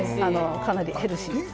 かなりヘルシー。